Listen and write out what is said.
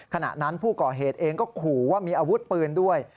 ขณะนั้นผู้ก่อเหตุเองก็ขู่ว่ามีอาวุธปืนด้วย